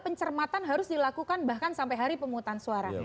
pencermatan harus dilakukan bahkan sampai hari pemungutan suara